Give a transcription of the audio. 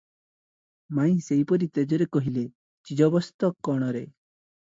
ମାଇଁ ସେହିପରି ତେଜରେ କହିଲେ, "ଚିଜବସ୍ତ କଣରେ?